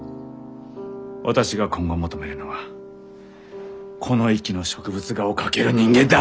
私が今後求めるのはこの域の植物画を描ける人間だ！